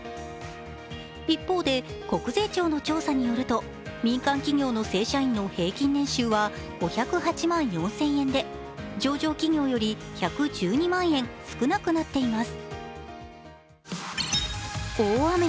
一方で国税庁の調査によると民間企業の正社員の平均年収は５０８万４０００円で、上場企業より１１２万円少なくなっています。